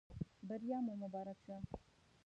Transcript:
بریا مو مبارک شه.